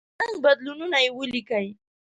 د رنګ بدلونونه یې ولیکئ.